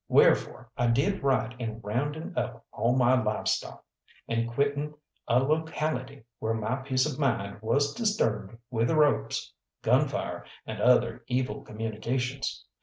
Wherefore I did right in rounding up all my livestock, and quitting a locality where my peace of mind was disturbed with ropes, gunfire, and other evil communications.